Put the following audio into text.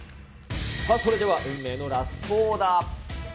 それでは運命のラストオーダー。